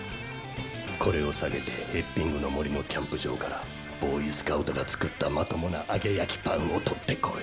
これを下げてエッピングの森のキャンプ場からボーイスカウトが作ったまともな揚げ焼きパンを取ってこい。